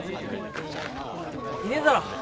いねえだろ。